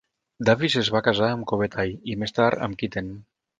Davis es va casar amb Kobe Tai i, més tard, amb Kitten.